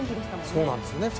そうなんですよね。